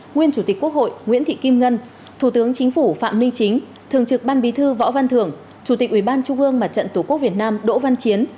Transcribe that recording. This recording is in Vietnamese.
nguyên chủ tịch quốc hội nguyễn thị kim ngân thủ tướng chính phủ phạm minh chính thường trực ban bí thư võ văn thưởng chủ tịch ủy ban trung ương mặt trận tổ quốc việt nam đỗ văn chiến